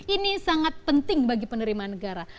ini sangat penting bagi penerimaan negara